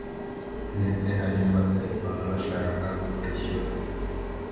ndetse hari n’abatelefona bashaka kutwishyura